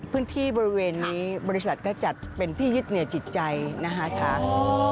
พื้นที่บริเวณนี้บริษัทก็จัดเป็นที่ยึดเหนียวจิตใจนะคะ